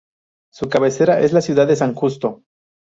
Su cabecera es la ciudad de San Justo.